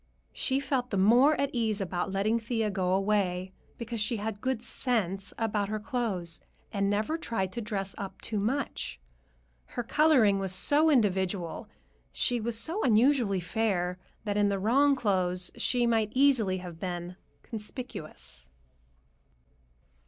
She felt the more at ease about letting Thea go away from home, because she had good sense about her clothes and never tried to dress up too much. Her coloring was so individual, she was so unusually fair, that in the wrong clothes she might easily have been "conspicuous."